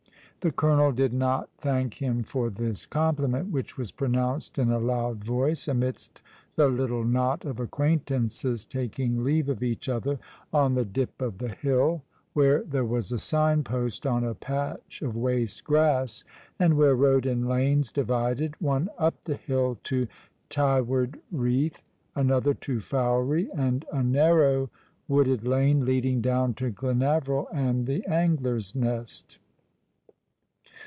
The colonel did not thank him for this compliment, which was pronounced in a loud voice, amidst the little knot of acquaintances taking leave of each other on the dip of the ^^ Lies Nothing buried long ago?'' 115 hill, where there was a sign post on a patch of waste grass, and w^hcroroad and lanes divided, one np the hill to Tyward rcath, another to Fowey, and a narrow wooded lane leading down to Glenaveril and the Angler's Nest.